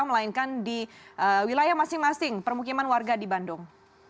melainkan di wilayah masing masing permukiman warga di bandung